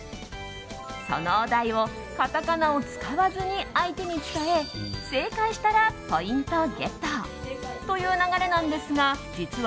そのお題をカタカナを使わずに相手に伝え正解したらポイントゲット！という流れなんですが実は、